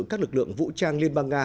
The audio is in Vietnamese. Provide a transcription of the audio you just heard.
các lực lượng vũ trang liên bang nga